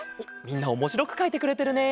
みんなおもしろくかいてくれてるね。